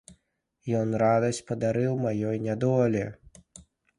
Ён радасць падарыў маёй нядолі!